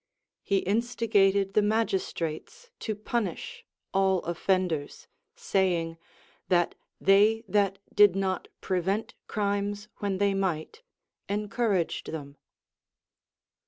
He instigated the magistrates to punish all offenders, saying, that they that did not pre vent crimes when they might encouraged them.